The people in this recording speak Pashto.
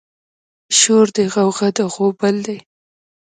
شور دی غوغه ده غوبل دی